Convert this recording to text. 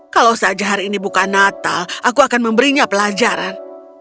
kalau saja hari ini bukan natal aku akan memberinya pelajaran